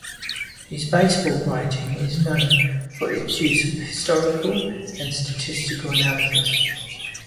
His baseball writing is known for its use of historical and statistical analysis.